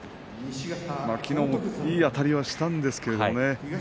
きのうもいいあたりはしたんですけれどね。